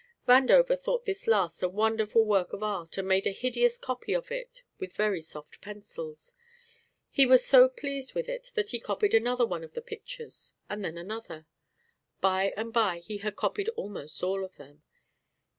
Vandover thought this last a wonderful work of art and made a hideous copy of it with very soft pencils. He was so pleased with it that he copied another one of the pictures and then another. By and by he had copied almost all of them.